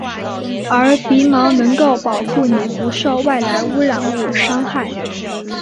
而鼻毛能够保护你不受外来污染物伤害。